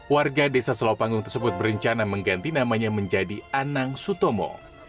warga desa selopanggung tersebut berencana mengganti namanya menjadi anang sutomo